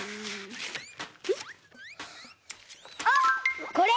あっこれ。